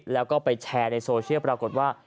แล้วก็ไปแชร์ในโซเชียลปรากฏว่า